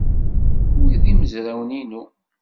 Wi d imezrawen-inu.